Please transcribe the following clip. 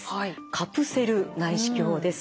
カプセル内視鏡です。